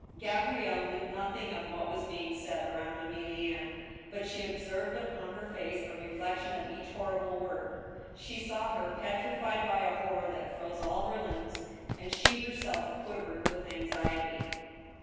^ Gabrielle knew nothing <^ what was being said around £milienne» but she observed upon her face the reflection of each horrible word. She ^w her petrified by a horror that froze all her limbs, and she herself quivered with anxiety.